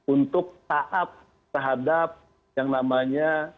untuk taat terhadap yang namanya